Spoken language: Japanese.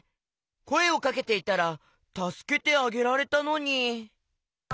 こえをかけていたらたすけてあげられたのに。